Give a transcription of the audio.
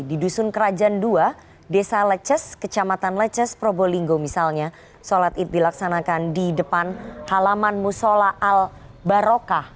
di dusun kerajaan ii desa leces kecamatan leces probolinggo misalnya sholat id dilaksanakan di depan halaman musola al barokah